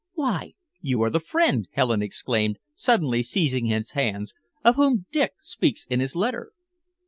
"Why, you are the friend," Helen exclaimed, suddenly seizing his hands, "of whom Dick speaks in his letter!"